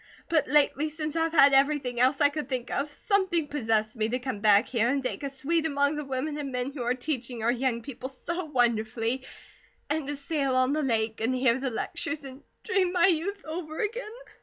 But lately, since I've had everything else I could think of, something possessed me to come back here, and take a suite among the women and men who are teaching our young people so wonderfully; and to sail on the lake, and hear the lectures, and dream my youth over again.